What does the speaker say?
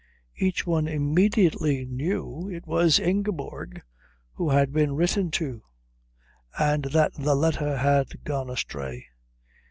Each one immediately knew it was Ingeborg who had been written to, and that the letter had gone astray.